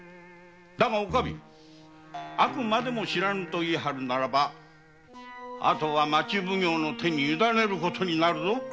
だがあくまでも知らぬと言い張るならばあとは町奉行の手に委ねることになるぞ。